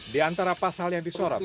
di antara pasal yang disorot